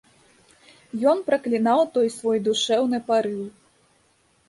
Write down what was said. Ён праклінаў той свой душэўны парыў.